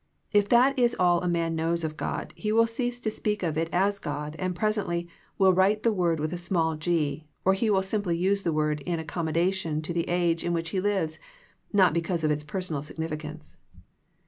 If that is all a man knows of God he will cease to speak of it as God, and presently will write the word with a small g, or he will simply use the word in accommodation to the age in which he lives, not because of its personal sig nificance.